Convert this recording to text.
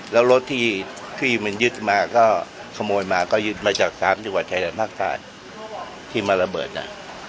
แล้วรถที่มันยึดมาก็ขโมยมาก็ยึดมาจาก๓จังหวัดชายแดนภาคใต้ที่มาระเบิดน่ะ